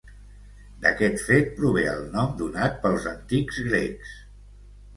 D'aquest fet prové el nom donat pels antics grecs.